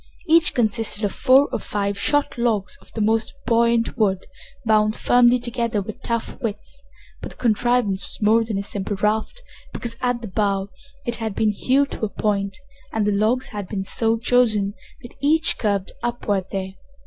Each consisted of four or five short logs of the most buoyant wood, bound firmly together with tough withes, but the contrivance was more than a simple raft, because, at the bow, it had been hewed to a point, and the logs had been so chosen that each curved upward there.